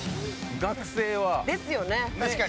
学生は。ですよね。